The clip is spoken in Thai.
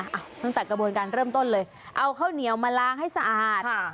อ่ะตั้งแต่กระบวนการเริ่มต้นเลยเอาข้าวเหนียวมาล้างให้สะอาด